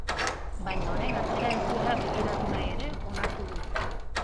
Baina orain atzera ez duela begiratu nahi ere onartu du.